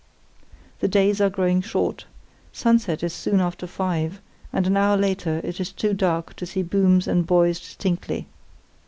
"The days are growing short. Sunset is soon after five, and an hour later it is too dark to see booms and buoys distinctly.